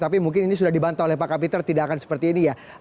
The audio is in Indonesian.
tapi mungkin ini sudah dibantah oleh pak kapiter tidak akan seperti ini ya